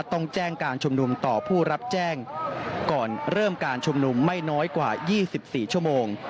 ต้องแจ้งการชุมนุมต่อผู้รับแจ้งก่อนเริ่มการชุมนุมไม่น้อยกว่า๒๔ชั่วโมง